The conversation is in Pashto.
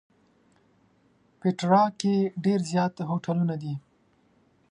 پېټرا کې ډېر زیات هوټلونه دي.